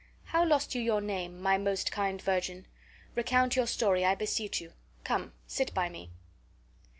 How lost you your name, my most kind virgin? Recount your story, I beseech you. Come, sit by me."